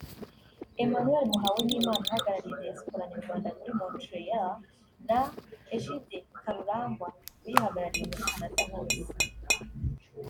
Emmanuel Muhawenimana uhagarariye Diaspora Nyarwanda muri Montréal na Egide Karuranga uyihagarariye muri Canada hose